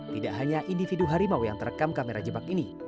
tidak hanya individu harimau yang terekam kamera jebak ini